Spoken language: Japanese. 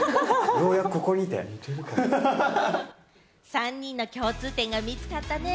３人の共通点が見つかったね！